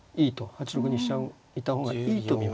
８六に飛車をいた方がいいと見ましたね。